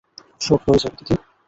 সব হয়ে যাবে, দিদি।